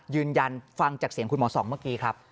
ยืนยันฟังจากเสียงคุณหมอสองเมื่อกี้ครับ